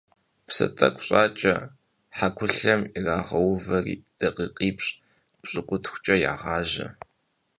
Псы тӀэкӀу щӀакӀэ, хьэкулъэм ирагъэувэри, дакъикъипщӏ-пщыкӏутхукӀэ ягъажьэ.